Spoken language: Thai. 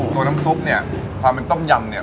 ตัวน้ำซุปเนี่ยความเป็นต้มยำเนี่ย